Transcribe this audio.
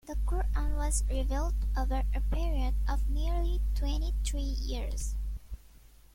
The Quran was revealed over a period of nearly twenty three years.